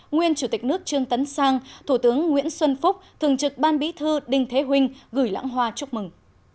nguyên chủ tịch nước trương tấn sang thủ tướng nguyễn xuân phúc thường trực ban bí thư đinh thế huynh gửi lãng hoa chúc mừng